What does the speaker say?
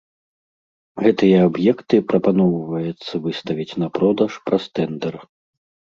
Гэтыя аб'екты прапаноўваецца выставіць на продаж праз тэндэр.